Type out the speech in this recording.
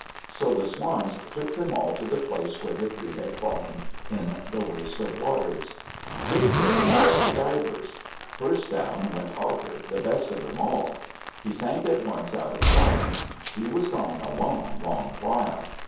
So the swans took them all to the place where the tree had fallen in the waste of waters. Big Turtle called for divers. First down went Otter, the best of them all. He sank at once out of sight. He was gone a long, long while.